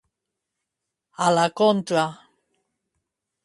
A la contra.